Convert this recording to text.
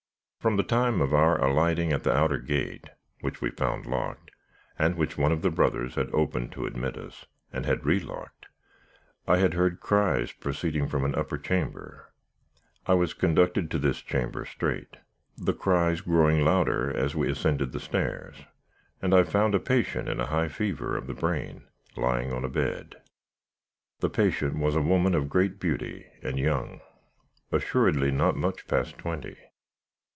"From the time of our alighting at the outer gate (which we found locked, and which one of the brothers had opened to admit us, and had relocked), I had heard cries proceeding from an upper chamber. I was conducted to this chamber straight, the cries growing louder as we ascended the stairs, and I found a patient in a high fever of the brain, lying on a bed. "The patient was a woman of great beauty, and young; assuredly not much past twenty.